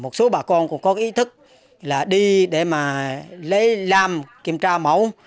một số bà con cũng có ý thức là đi để mà lấy lam kiểm tra máu